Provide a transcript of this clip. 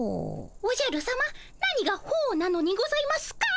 おじゃるさま何が「ほう」なのにございますか？